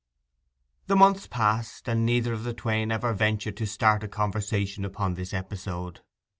The months passed, and neither of the twain ever ventured to start a conversation upon this episode.